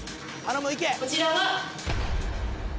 こちらは。